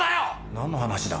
何の話だ？